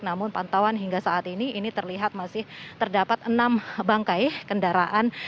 namun pantauan hingga saat ini ini terlihat masih terdapat enam bangkai kendaraan